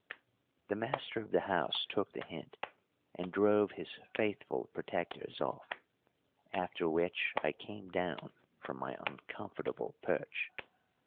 The master of the house took the hint, and drove his faithful protectors off, after which I came down from my uncomfortable perch.